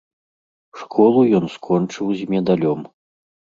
Школу ён скончыў з медалём.